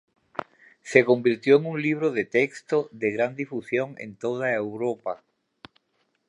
Se convirtió en un libro de texto de gran difusión en toda Europa.